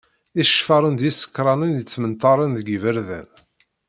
Iceffaren d yisekranen yettmenṭaren deg yiberdan.